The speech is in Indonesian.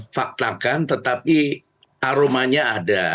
faktakan tetapi aromanya ada